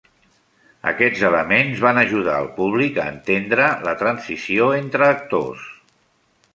Aquests elements van ajudar el públic a entendre la transició entre actors.